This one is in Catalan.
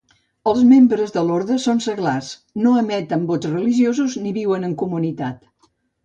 Els membres de l'orde són seglars, no emeten vots religiosos ni viuen en comunitat.